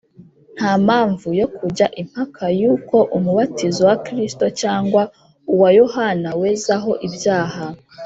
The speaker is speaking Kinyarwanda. ” Nta mpamvu yo kujya impaka yuko umubatizo wa Kristo cyangwa uwa Yohana wezaho ibyaha